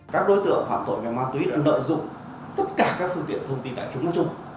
các đối tượng phản tội về ma túy đã lợi dụng tất cả các phương tiện thông tin tại chúng nó chung